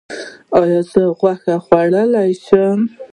ایا زه غوښه خوړلی شم؟